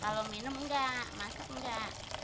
kalau minum enggak masuk enggak